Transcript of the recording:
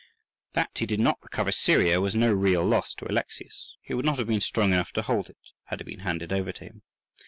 That he did not recover Syria was no real loss to Alexius; he would not have been strong enough to hold it, had it been handed over to him.